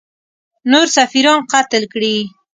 نور سفیران قتل کړي.